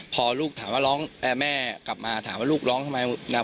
พอลูกถามว่าร้องแม่กลับมาถามว่าลูกร้องทำไม